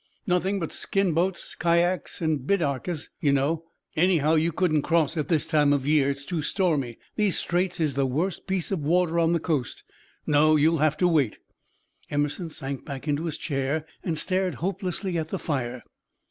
"Nothing but skin boats, kyaks, and bidarkas you know. Anyhow, you couldn't cross at this time of year it's too stormy; these Straits is the worst piece of water on the coast. No, you'll have to wait." Emerson sank back into his chair, and stared hopelessly at the fire.